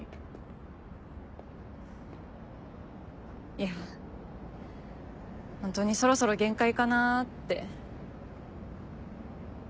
いやホントにそろそろ限界かなって。